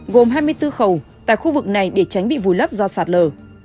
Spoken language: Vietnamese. gồm hai mươi bốn khẩu tại khu vực này để tránh bị vùi lấp do sạt lở